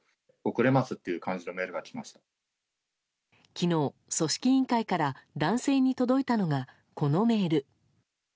昨日、組織委員会から男性に届いたのがこのメール。